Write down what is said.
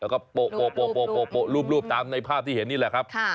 แล้วก็โปะรูปตามในภาพที่เห็นนี่แหละครับ